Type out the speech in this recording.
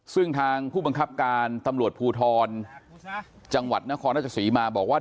ซึ่งทางผู้บังคับการตำรวจภูทรจังหวัดนครราชศรีมาบอกว่า